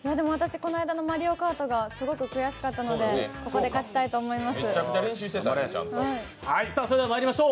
この間の「マリオカート」がすごく悔しかったのでここで勝ちたいと思います。